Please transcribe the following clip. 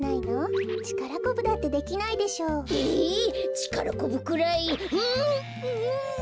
ちからこぶくらいフン！